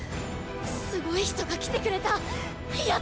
すごい人が来てくれたっ！